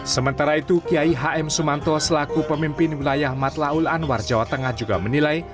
sementara itu kiai hm sumanto selaku pemimpin wilayah matlaul anwar jawa tengah juga menilai